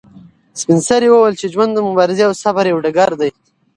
سپین سرې وویل چې ژوند د مبارزې او صبر یو ډګر دی.